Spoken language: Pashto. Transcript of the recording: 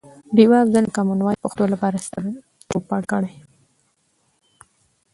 ډیوه افضل د کمان وایس پښتو لپاره ستر چوپړ کړي.